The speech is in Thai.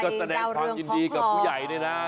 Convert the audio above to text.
ก็แสดงความยินดีกับผู้ใหญ่ด้วยนะ